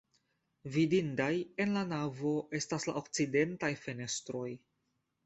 Vidindaj en la navo estas la okcidentaj fenestroj.